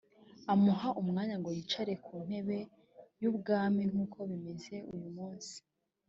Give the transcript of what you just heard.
umuha umwana ngo yicare ku ntebe ye y ubwami nk uko bimeze uyu munsi